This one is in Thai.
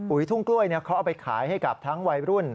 ทุ่งกล้วยเขาเอาไปขายให้กับทั้งวัยรุ่น